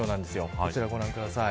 こちらご覧ください。